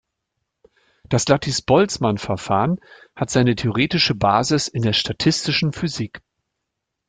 Das Lattice-Boltzmann-Verfahren hat seine theoretische Basis in der statistischen Physik.